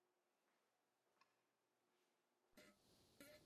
wanaweza zungumza hivyo labda ije baada ya miaka miwili